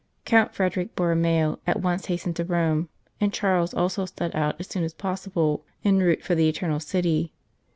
Count Frederick Borromeo at once hastened to Rome, and Charles also set out as soon as possible en route for the Eternal City.